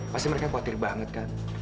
masih mereka khawatir banget kak